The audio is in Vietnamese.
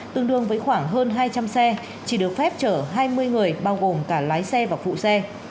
tương đương với khoảng hơn hai trăm linh xe chỉ được phép chở hai mươi người bao gồm cả lái xe và phụ xe